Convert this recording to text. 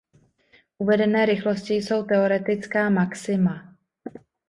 Uvedené rychlosti jsou teoretická maxima.